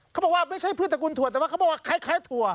เขาบอกว่าไม่ใช่พืชตระกูลถั่วแต่ว่าเขาบอกว่าคล้ายถั่ว